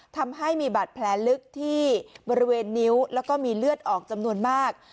ทำให้มีบาดแผลลึกที่บริเวณนิ้วแล้วก็มีเลือดออกจำนวนมาก